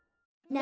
「な」